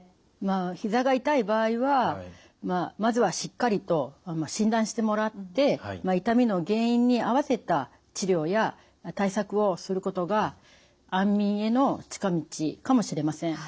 ひざが痛い場合はまずはしっかりと診断してもらって痛みの原因に合わせた治療や対策をすることが安眠への近道かもしれません。